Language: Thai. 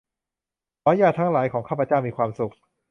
ขอให้ญาติทั้งหลายของข้าพเจ้ามีความสุข